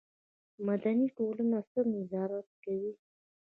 مدني ټولنه څه نظارت کوي؟